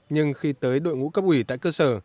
nhưng khi tới đội ngũ cấp ủy tại cơ sở